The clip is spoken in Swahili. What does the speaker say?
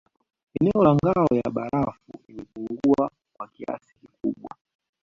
Eneo la ngao ya barafu limepungua kwa kiasi kikubwa